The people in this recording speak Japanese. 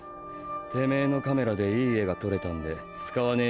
てめェのカメラでいい画が録れたんで使わねェ